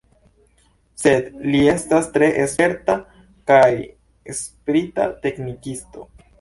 Sed li estas tre sperta kaj sprita teknikisto.